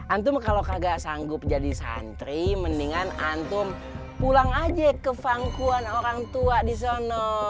antum kalo kagak sanggup jadi santri mendingan antum pulang aja ke vangkuan orang tua disono